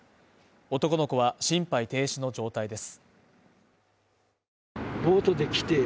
男の子は心肺停止の状態です。